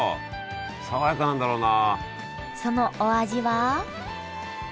爽やかなんだろうな。